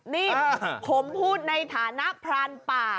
นี่ผมพูดในฐานะพรานป่า